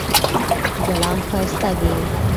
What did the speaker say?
ګلان ښایسته دي